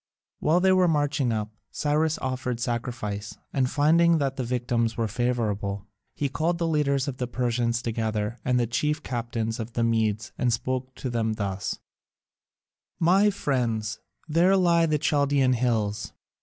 While they were marching up, Cyrus offered sacrifice, and finding that the victims were favourable, he called the leaders of the Persians together and the chief captains of the Medes and spoke to them thus: "My friends, there lie the Chaldaean hills.